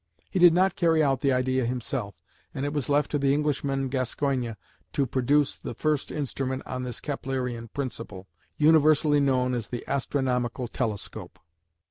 He did not carry out the idea himself, and it was left to the Englishman Gascoigne to produce the first instrument on this "Keplerian" principle, universally known as the Astronomical Telescope.